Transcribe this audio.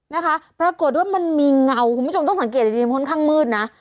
นะคะปรากฏว่ามันมีเงาคุณผู้ชมต้องสังเกตดีมันค่อนข้างมืดนะ